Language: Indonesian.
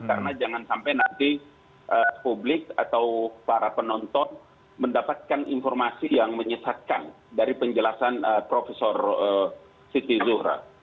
karena jangan sampai nanti publik atau para penonton mendapatkan informasi yang menyesatkan dari penjelasan profesor siti zuhra